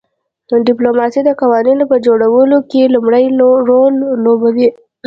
ډیپلوماسي د قوانینو په جوړولو کې لومړی رول لوبوي